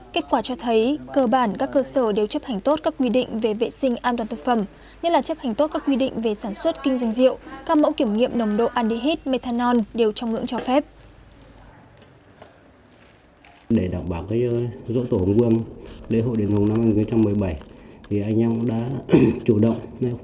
kết quả cho thấy cơ bản các cơ sở đều chấp hành tốt các quy định về vệ sinh an toàn thực phẩm như là chấp hành tốt các quy định về sản xuất kinh doanh rượu các mẫu kiểm nghiệm nồng độ aldehyde methanol đều trong ngưỡng cho phép